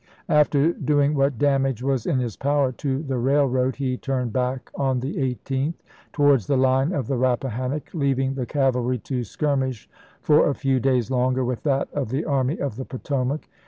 After doing what damage was in his power to the railroad he turned back on the 18th towards the oct.,i863. line of the Rappahannock, leaving the cavalry to skirmish for a few days longer with that of the Army of the Potomac.